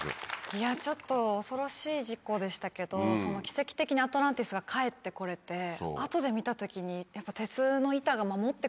いやちょっと恐ろしい事故でしたけど奇跡的にアトランティスが帰って来れて後で見た時にやっぱ鉄の板が守ってくれてたって。